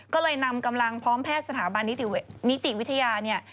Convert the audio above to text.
ก็เลยนำกำลังพร้อมแพทย์สถาบันนิติวิทยาเนี่ย